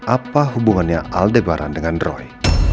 apa hubungannya aldebaran dengan roy